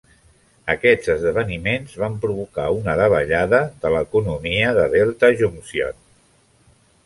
Aquests esdeveniments van provocar una davallada de l'economia de Delta Junction.